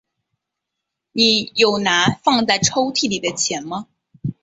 你有拿放在抽屉里的钱吗？